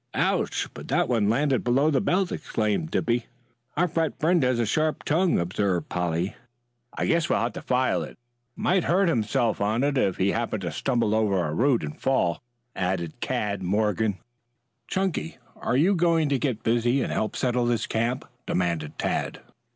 "Ouch! But that one landed below the belt!" exclaimed Dippy. "Our fat friend has a sharp tongue," observed Polly. "I guess we'll have to file it. Might hurt himself on it if he happened to stumble over a root and fall," added Cad Morgan. "Chunky, are you going to get busy and help settle this camp?" demanded Tad.